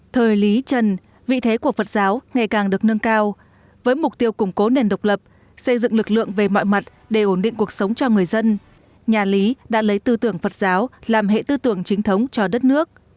thời lý trần vị thế của phật giáo ngày càng được nâng cao với mục tiêu củng cố nền độc lập xây dựng lực lượng về mọi mặt để ổn định cuộc sống cho người dân nhà lý đã lấy tư tưởng phật giáo làm hệ tư tưởng chính thống cho đất nước